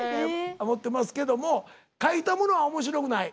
持ってますけども書いたものは面白くない。